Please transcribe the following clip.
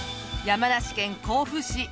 山梨県甲府市。